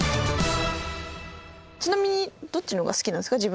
ちなみにどっちのが好きなんですか？